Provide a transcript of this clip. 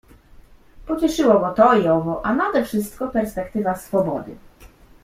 Pocieszyło go to i owo, a nade wszystko perspektywa swobody.